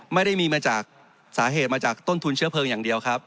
ไม่ได้มีมาจากสาเหตุมาจากต้นทุนเชื้อเพลิงอย่างเดียวครับ